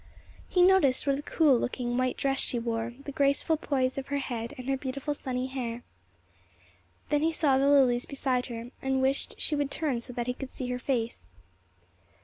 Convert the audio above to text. He noticed what a cool looking white dress she wore, the graceful poise of her head, and her beautiful sunny hair. Then he saw the lilies beside her, and wished she would turn so that he could see her face.